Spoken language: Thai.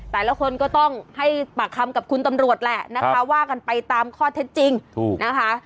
แต่ละคนก็ต้องให้ปากคำกับคุณตำรวจแหละนะคะว่ากันไปตามข้อเท็จจริงนะคะ